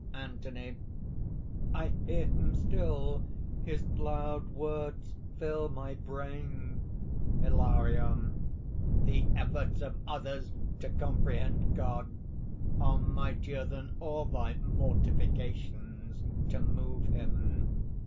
ANTHONY. "I hear him still! His loud words fill my brain." HILARION. "The efforts of others to comprehend God are mightier than all thy mortifications to move Him.